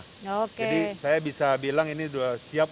jadi saya bisa bilang ini sudah siap